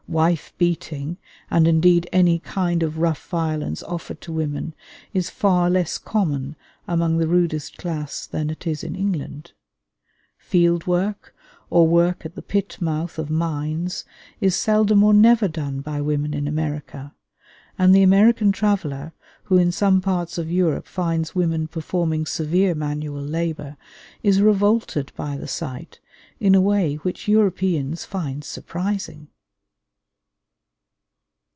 Wife beating, and indeed any kind of rough violence offered to women, is far less common among the rudest class than it is in England. Field work or work at the pit mouth of mines is seldom or never done by women in America; and the American traveler who in some parts of Europe finds women performing severe manual labor, is revolted by the sight in a way which Europeans find surprising.